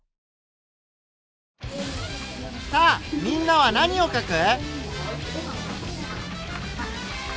さあみんなは何をかく？